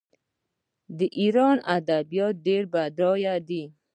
د ایران ادبیات ډیر بډایه دي.